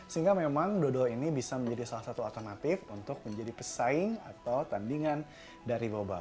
sehingga memang dodol ini bisa menjadi salah satu alternatif untuk menjadi pesaing atau tandingan dari boba